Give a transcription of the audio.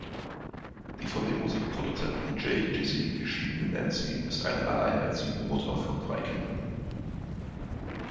Die von dem Musikproduzenten J-Jizzy geschiedene Nancy ist eine alleinerziehende Mutter von drei Kindern.